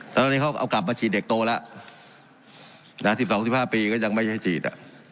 ตอนนี้เขากำลังเอามาฉีดเด็กโตแล้ว๑๒๑๕ปีก็ยังไม่ให้ฉีด